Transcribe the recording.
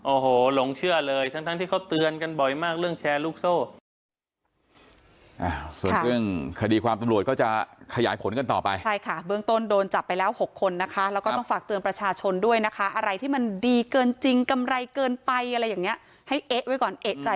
โอ้โหหลงเชื่อเลยทั้งที่เขาเตือนกันบ่อยมากเรื่องแชร์ลูกโซ่